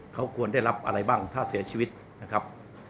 เขาควรได้รับอะไรบ้างถ้าเสียชีวิตนะครับ